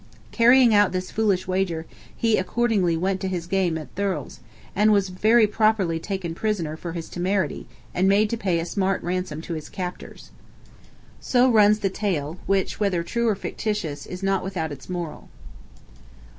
Carrying out this foolish wager, he accordingly went to his game at Thurles, and was very properly taken prisoner for his temerity, and made to pay a smart ransom to his captors. So runs the tale, which, whether true or fictitious, is not without its moral.